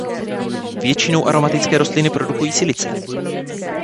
Většinou aromatické rostliny produkující silice.